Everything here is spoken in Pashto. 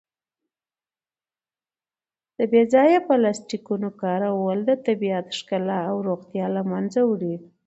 د بې ځایه پلاسټیکونو کارول د طبیعت ښکلا او روغتیا له منځه وړي.